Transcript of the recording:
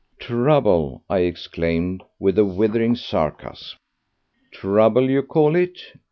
"Trouble!" I exclaimed, with withering sarcasm. "Trouble, you call it?